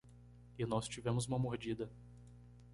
E nós tivemos uma mordida.